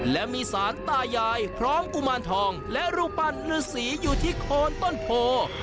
และมีสารตายายพร้อมกุมารทองและรูปปั้นฤษีอยู่ที่โคนต้นโพ